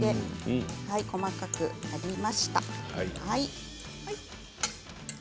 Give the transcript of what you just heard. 細かくなりました。